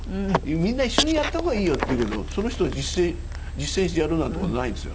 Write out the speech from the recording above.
みんな一緒にやった方がいいよって言うけどその人は実践してやるなんて事はないんですよ。